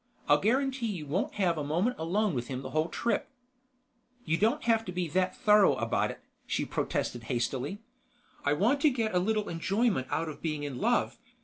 I'll guarantee you won't have a moment alone with him the whole trip." "You don't have to be that thorough about it," she protested hastily. "I want to get a little enjoyment out of being in love.